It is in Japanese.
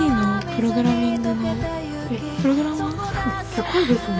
すごいですね。